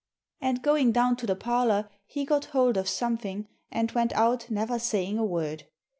And going down to the parlour he got hold of something, and went out, never saying a word.